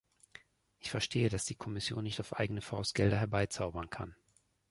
Ich verstehe, dass die Kommission nicht auf eigene Faust Gelder herbeizaubern kann.